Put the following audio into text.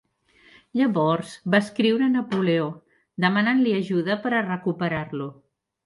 Llavors va escriure a Napoleó, demanant-li ajuda per a recuperar-lo.